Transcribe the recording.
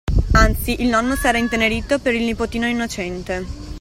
Anzi il nonno s'era intenerito per il nipotino innocente;